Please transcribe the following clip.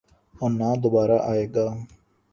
اور نہ دوبارہ آئے گا۔